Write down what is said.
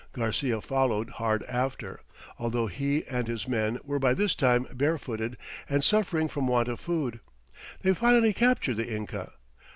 Garcia followed hard after, although he and his men were by this time barefooted and suffering from want of food. They finally captured the Inca.